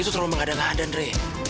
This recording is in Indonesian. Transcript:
itu terlalu mengadang adang dre